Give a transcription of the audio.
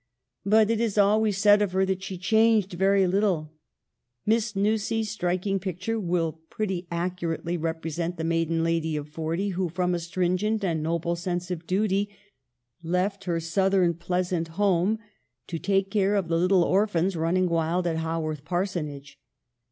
But it is always said of her that she changed very little. Miss Nussey's striking picture will pretty accurately represent the maiden lady of forty, who, from a stringent and noble sense of duty, left her southern, pleasant home to take care of the little orphans running wild at Haworth Parson age.